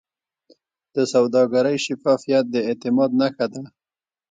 د سوداګرۍ شفافیت د اعتماد نښه ده.